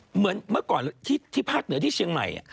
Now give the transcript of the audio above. เหมือนเมื่อก่อนที่ภาคเหนือที่เชียงใหม่